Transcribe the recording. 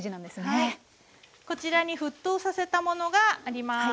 こちらに沸騰させたものがあります。